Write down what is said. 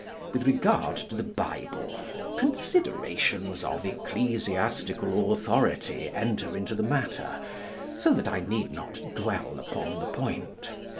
With regard to the Bible, considerations of ecclesiastical authority enter into the matter, so that I need not dwell upon the point.